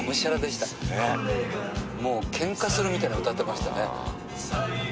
もうけんかするみたいに歌ってましたね。